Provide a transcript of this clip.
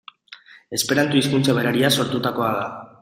Esperanto hizkuntza berariaz sortutakoa da.